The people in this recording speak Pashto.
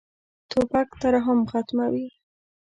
توپک ترحم ختموي.